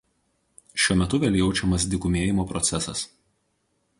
Šiuo metu vėl jaučiamas dykumėjimo procesas.